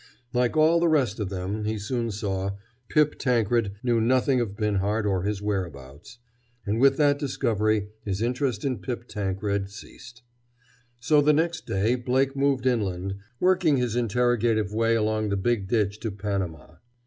Like all the rest of them, he soon saw, Pip Tankred knew nothing of Binhart or his whereabouts. And with that discovery his interest in Pip Tankred ceased. So the next day Blake moved inland, working his interrogative way along the Big Ditch to Panama.